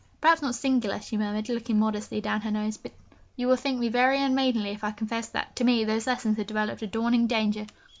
'Perhaps not singular,' she murmured, looking modestly down her nose; 'but will you think me very unmaidenly if I confess that, to me, those lessons have developed a dawning danger?'